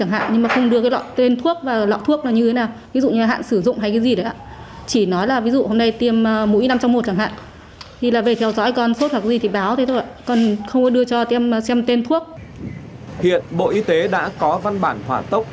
hiện bộ y tế đã có văn bản hỏa tốc